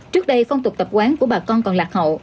trước đây phong tục tập quán của bà con còn lạc hậu